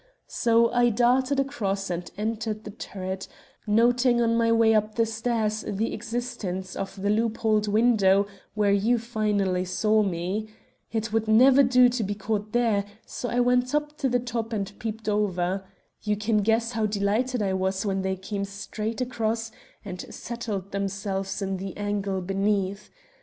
So I darted across and entered the turret, noting on my way up the stairs the existence of the loopholed window where you finally saw me. It would never do to be caught there, so I went to the top and peeped over. You can guess how delighted I was when they came straight across and settled themselves in the angle beneath.